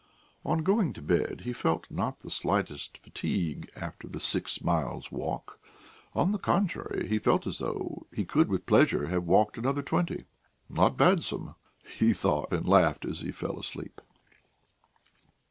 '" On going to bed, he felt not the slightest fatigue after the six miles' walk. On the contrary, he felt as though he could with pleasure have walked another twenty. "Not badsome," he thought, and laughed as he fell asleep.